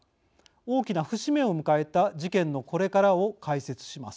大きな節目を迎えた事件のこれからを解説します。